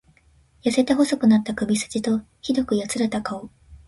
痩せて細くなった首すじと、酷くやつれた顔。